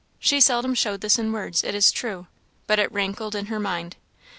She seldom showed this in words, it is true, but it rankled in her mind.